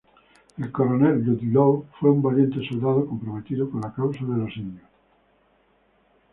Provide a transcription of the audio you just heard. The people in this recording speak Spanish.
El coronel Ludlow fue un valiente soldado comprometido con la causa de los indios.